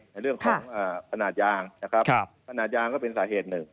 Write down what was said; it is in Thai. ในเรื่องของขนาดยางนะครับขนาดยางก็เป็นสาเหตุหนึ่ง